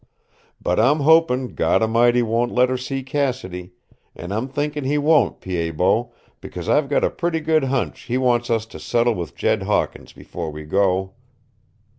But I'm hopin' God A'mighty won't let her see Cassidy. And I'm thinking He won't, Pied Bot, because I've a pretty good hunch He wants us to settle with Jed Hawkins before we go."